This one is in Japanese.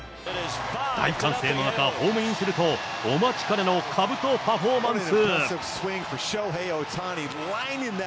大歓声の中、ホームインすると、お待ちかねのかぶとパフォーマンス。